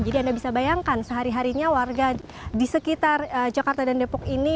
anda bisa bayangkan sehari harinya warga di sekitar jakarta dan depok ini